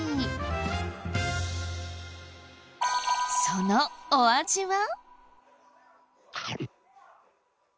そのお味は？